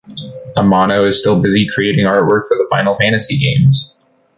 Amano is still busy creating artwork for the Final Fantasy games.